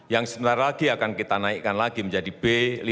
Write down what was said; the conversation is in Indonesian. yang sebentar lagi akan kita naikkan lagi menjadi b lima